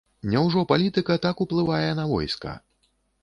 Няўжо палітыка так уплывае на войска?